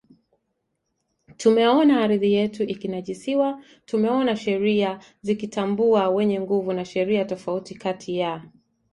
Tumeona ardhi yetu ikinajisiwa Tumeona sheria zikitambua wenye nguvu na sheria tofauti kati ya